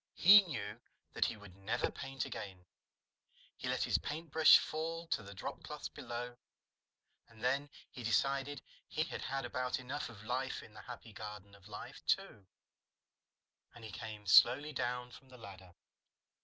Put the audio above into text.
He knew that he would never paint again. He let his paintbrush fall to the dropcloths below. And then he decided he had had about enough of life in the Happy Garden of Life, too, and he came slowly down from the ladder.